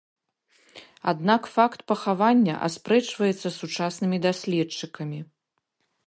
Аднак факт пахавання аспрэчваецца сучаснымі даследчыкамі.